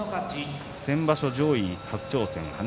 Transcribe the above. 先場所、上位初挑戦。